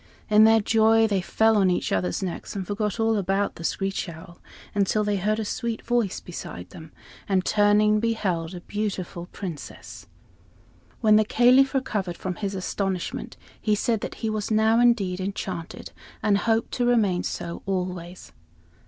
In their joy they fell on each other's necks and forgot all about the screech owl, until they heard a sweet voice beside them, and turning beheld a beautiful Princess. When the Caliph recovered from his astonishment he said that he was now, indeed, enchanted and hoped to remain so always.